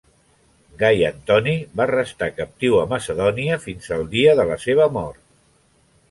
Gai Antoni va restar captiu a Macedònia fins al dia de la seva mort.